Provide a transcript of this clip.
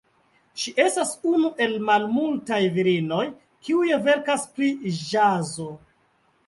Ŝi estas unu el malmultaj virinoj, kiuj verkas pri ĵazo.